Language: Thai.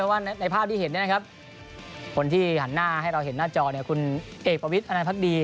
ว่าในภาพที่เห็นคนที่หันหน้าให้เราเห็นหน้าจอคุณเอกประวิทย์อนันพักดี